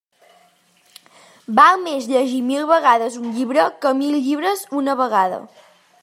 Val més llegir mil vegades un llibre que mil llibres una vegada.